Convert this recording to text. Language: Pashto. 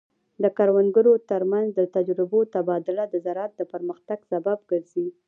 د کروندګرو ترمنځ د تجربو تبادله د زراعت د پرمختګ سبب ګرځي.